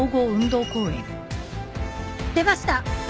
出ました！